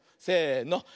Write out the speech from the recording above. せの。